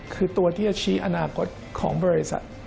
คือตัวที่จะชี้อนาคตของบริษัท